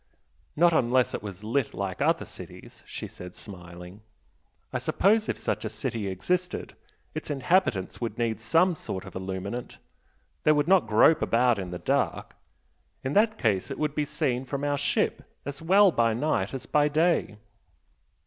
"Not unless it was lit like other cities!" she said, smiling "I suppose if such a city existed, its inhabitants would need some sort of illuminant they would not grope about in the dark. In that case it would be seen from our ship as well by night as by day."